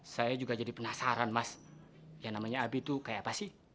saya juga jadi penasaran mas yang namanya abi itu kayak apa sih